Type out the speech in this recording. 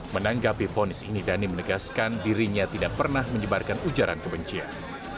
menanggapi fonis ini dhani menegaskan dirinya tidak pernah menyebarkan ujaran kebencian